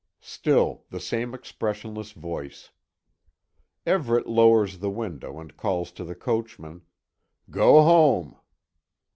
Still the same expressionless voice. Everet lowers the window, and calls to the coachman: "Go home."